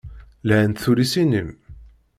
Lhant tullisin-im.